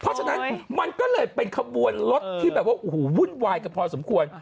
เพราะฉะนั้นมันก็เลยเป็นขบวนรถที่แบบว่าโอ้โหวุ่นวายกันพอสมควร